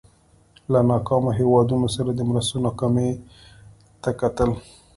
له ناکامو هېوادونو سره د مرستو ناکامۍ ته کتل.